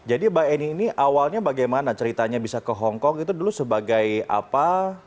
jadi mbak eni ini awalnya bagaimana ceritanya bisa ke hongkong itu dulu sebagai apa